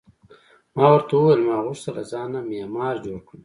ما ورته وویل: ما غوښتل له ځانه معمار جوړ کړم.